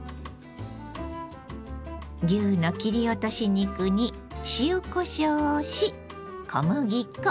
牛の切り落とし肉に塩こしょうをし小麦粉。